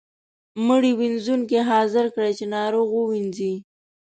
مړي وينځونکی حاضر کړئ چې ناروغ ووینځي.